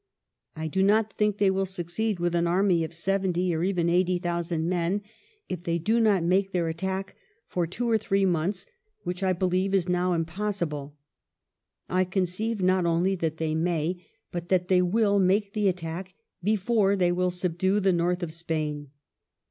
"I do not think they will succeed with an army of seventy or even eighty thousand men if they do not make their attack for two or three months, which I believe is now impos sible. I conceive not only that they may, but that they will make the attack before they will subdue the north of Spain."